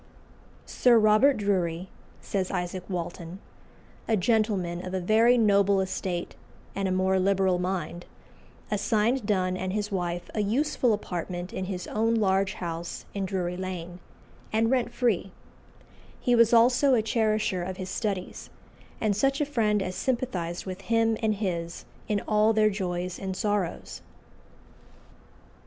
"Sir Robert Drury," says Isaac Walton, "a gentleman of a very noble estate and a more liberal mind, assigned Donne and his wife a useful apartment in his own large house in Drury Lane, and rent free; he was also a cherisher of his studies, and such a friend as sympathised with him and his in all their joys and sorrows."